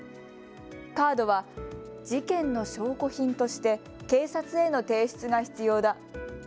カードは事件の証拠品として警察への提出が必要だ。